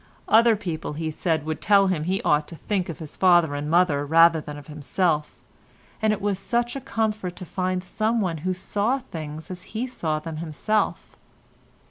Other people, he said, would tell him he ought to think of his father and mother rather than of himself, and it was such a comfort to find someone who saw things as he saw them himself.